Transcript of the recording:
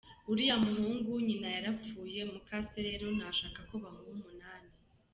Uriya muhungu nyina yarapfuye, mukase rero ntashaka ko bamuha umunani.